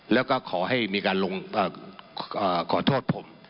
แล้วก็ขอให้มีการลงขอโทษผม